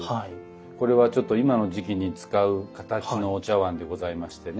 これはちょっと今の時期に使う形のお茶碗でございましてね。